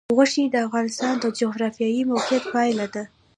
غوښې د افغانستان د جغرافیایي موقیعت پایله ده.